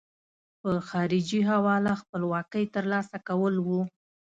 په خارجي حواله خپلواکۍ ترلاسه کول وو.